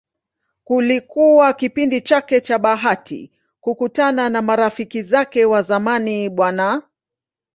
Kilikuwa kipindi chake cha bahati kukutana na marafiki zake wa zamani Bw.